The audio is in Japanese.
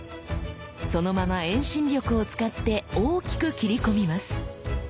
そのまま遠心力を使って大きく斬り込みます。